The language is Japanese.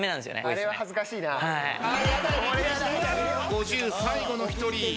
５０最後の一人。